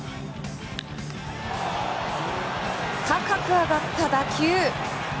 高く上がった打球。